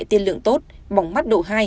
tiên lượng tốt bỏng mắt độ hai